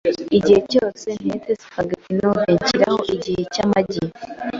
Igihe cyose ntetse spaghetti noode, nshiraho igihe cy amagi .